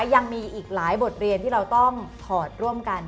ยังมีอีกหลายบทเรียนที่เราต้องถอดร่วมกัน